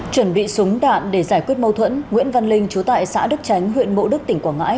chuẩn bị súng đạn để giải quyết mâu thuẫn nguyễn văn linh chú tại xã đức tránh huyện mộ đức tỉnh quảng ngãi